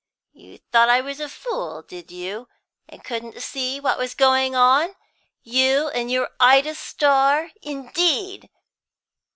You thought I was a fool, did you, and couldn't see what was going on? You and your Ida Starr, indeed!